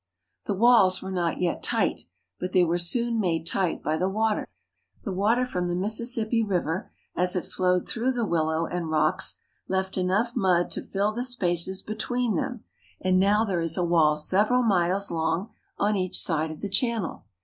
The walls were not yet tight ; but they were soon made tight by the water. The water from the Mississippi 138 THE SOUTH. River, as it flowed through the willow and rocks, left enough mud to fill the spaces between them, and now there is a wall several miles long on each side of the channel.